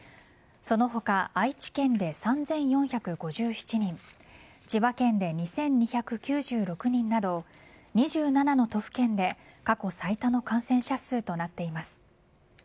その他、愛知県で３４５７人千葉県で２２９６人など２７の都府県で過去最多の感染者数となっています。